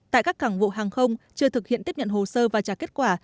tại các cảng vụ hàng không chưa thực hiện tiếp nhận hồ sơ và trả kết quả